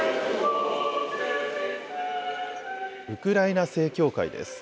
ウクライナ正教会です。